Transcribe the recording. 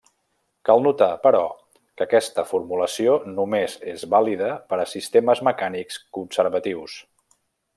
Cal notar, però, que aquesta formulació només és vàlida per a sistemes mecànics conservatius.